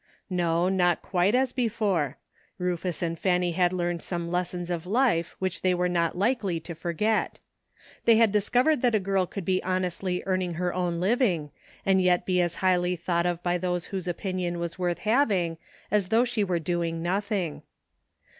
No, not quite as before. Rufus and Fanny had learned some lessons of life which they were not likely to forgat. They had discovered that a girl could be honestly earning her own living, and yet be as highly thought of by those whose opinion was worth having as though she were doing nothing.